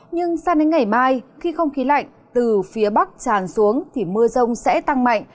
nhưng sang đến ngày mai khi không khí lạnh từ phía bắc tràn xuống thì mưa rông sẽ tăng mạnh